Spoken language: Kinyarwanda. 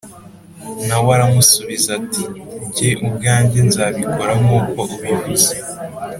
h Na we aramusubiza ati jye ubwanjye nzabikora nk uko ubivuze